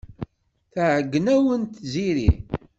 Tɛeyyen-awent Tiziri.